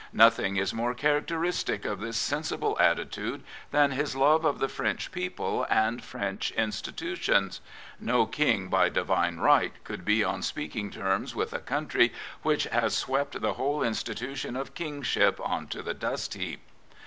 Nothing is more characteristic of this sensible attitude than his love of the French people and French institutions. No King by Divine right " could be on speaking terms with a country which has swept the whole institution of Kingship on to the dust heap.